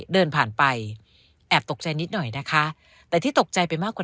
เดินผ่านไปแอบตกใจนิดหน่อยนะคะแต่ที่ตกใจไปมากกว่า